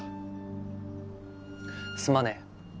すまねえ。